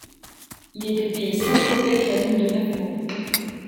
Il était payé cinq kopecks la ligne de neuf mots.